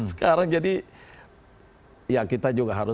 sekarang jadi ya kita juga harus